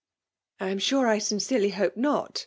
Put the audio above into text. ''I am sure I sincerely hope not!''